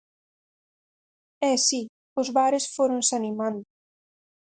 É si, os bares fóronse animando.